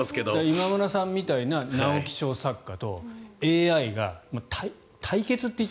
今村さんみたいな直木賞作家とＡＩが対決という。